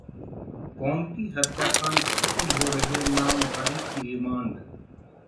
Ponty हत्याकांड: खत्म हो रही है नामधारी की रिमांड